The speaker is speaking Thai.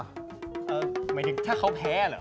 หมายถึงถ้าเขาแพ้เหรอ